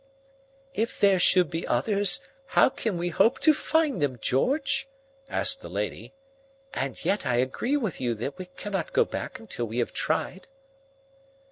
"If there should be others, how can we hope to find them, George?" asked the lady. "And yet I agree with you that we cannot go back until we have tried."